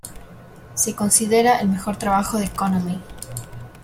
Se considera el mejor trabajo de Connolly.